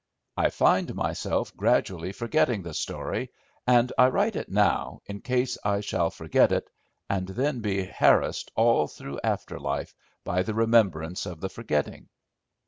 I find myself gradually forgetting the story and I write it now in case I shall forget it, and then be harassed all through after life by the remembrance of the forgetting.